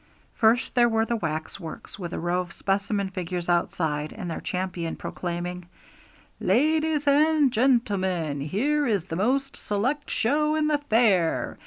First, there were the Waxworks, with a row of specimen figures outside, and their champion proclaiming 'Ladies and gentlemen, here is the most select show in the fair!